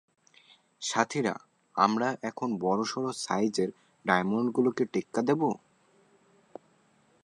সাথীরা, আমরা এখন বড়সড় সাইজের ডায়মন্ডগুলোকে টেক্কা দেব!